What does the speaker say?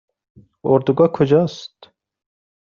اردوگاه کجا است؟